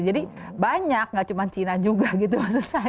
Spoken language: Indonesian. jadi banyak gak cuma cina juga gitu maksud saya